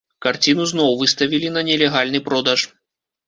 Карціну зноў выставілі на нелегальны продаж.